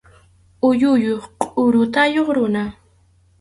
Ulluyuq qʼurutayuq runa.